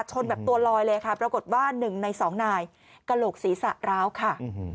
แบบตัวลอยเลยค่ะปรากฏว่า๑ใน๒นายกระโหลกศีรษะร้าวค่ะ